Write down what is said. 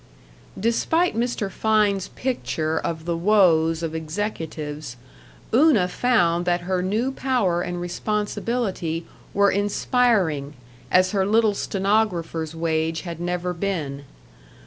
Despite Mr. Fein's picture of the woes of executives, Una found that her new power and responsibility were inspiring as her little stenographer's wage had never been.